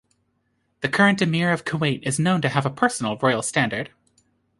The current Amir of Kuwait is known to have a personal royal standard.